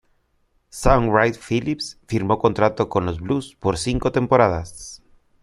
Shaun Wright-Phillips firmó contrato con los Blues por cinco temporadas.